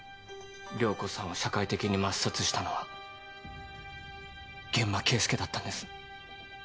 涼子さんを社会的に抹殺したのは諫間慶介だったんです。